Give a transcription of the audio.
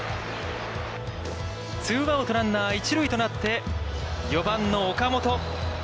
ツーアウト、ランナー一塁となって、４番の岡本。